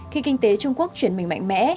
khi kinh tế trung quốc chuyển mình mạnh mẽ